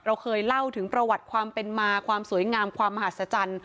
เราเคยเล่าถึงประวัติความเป็นมาความสวยงามความมหาศจรรย์